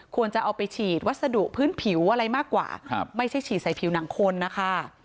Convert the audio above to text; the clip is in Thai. ควรจะเอาไปฉีดวัสดุพื้นผิวอะไรมากกว่าไม่ใช่ฉีดใส่ผิวหนังคนนะคะ